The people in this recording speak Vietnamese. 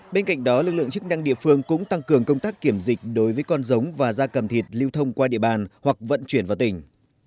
bên cạnh đó lực lượng chức năng địa phương cũng tăng cường công tác kiểm dịch đối với con giống và gia cầm thịt lưu thông qua địa bàn hoặc vận chuyển vào tỉnh